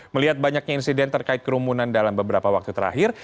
melihat banyaknya insiden terkait kerumunan dalam beberapa waktu terakhir